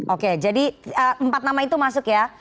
oke jadi empat nama itu masuk ya